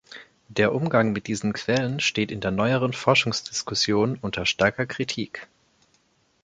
Der Umgang mit diesen Quellen steht in der neueren Forschungsdiskussion unter starker Kritik.